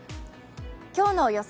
今日の予想